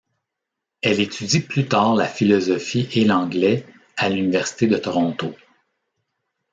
Elle étudie plus tard la philosophie et l'anglais à l'Université de Toronto.